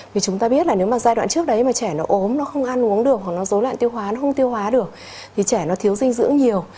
vì chúng ta biết là nếu mà giai đoạn trước đấy mà trẻ nó ốm nó không ăn uống được hoặc nó dối loạn tiêu hóa nó không tiêu hóa được thì trẻ nó thiếu dinh dưỡng nhiều